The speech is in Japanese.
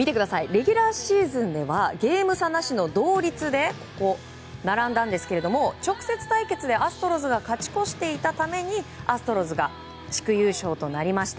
レギュラーシーズンではゲーム差なしの同率で並んだんですが直接対決でアストロズが勝ち越していたためにアストロズが地区優勝となりました。